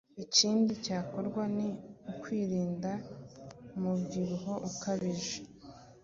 ikindi cyakorwa ni ukwirinda umubyibuho ukabije,